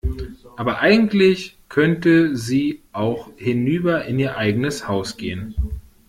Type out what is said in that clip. Aber eigentlich könnte sie auch hinüber in ihr eigenes Haus gehen.